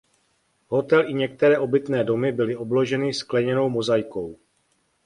Hotel i některé obytné domy byly obloženy skleněnou mozaikou.